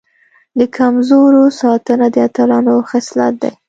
د کمزورو ساتنه د اتلانو خصلت دی.